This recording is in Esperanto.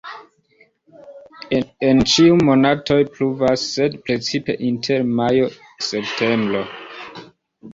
En ĉiuj monatoj pluvas, sed precipe inter majo-septembro.